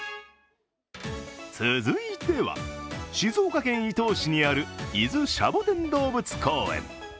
続いては、静岡県伊東市にある伊豆シャボテン動物公園。